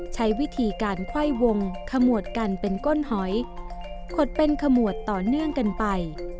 ใช้วิธีการไขว้วงขมวดกันเป็นก้นหอยขดเป็นขมวดต่อเนื่องกันไป